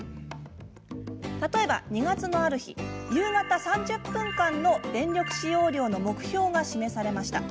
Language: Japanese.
例えば、２月のある日夕方３０分間の電力使用量の目標が示されました。